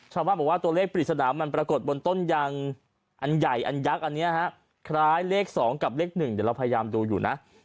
ชาวบ้านบอกว่าตัวเลขปริศนามันปรากฏบนต้นยางอันใหญ่อันยักษ์อันนี้ฮะคล้ายเลข๒กับเลข๑เดี๋ยวเราพยายามดูอยู่นะ